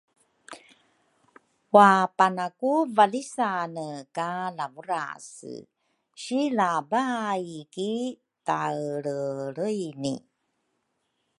wapana ku valisane ka Lavurase si la baai ki taelreelreini.